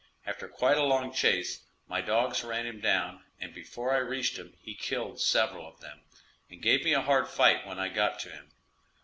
After quite a long chase my dogs ran him down, and before I reached him he killed several of them, and gave me a hard fight when I got to him.